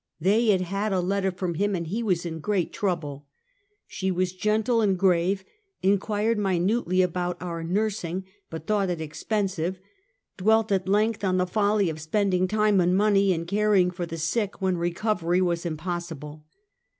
They had had a letter from him, and he was in great trouble. She was gentle and grave — inquired minutely about our nurs ing, but thought it expensive — dwelt at length on the folly of spending time and money in caring for the sick when recovery was impossible.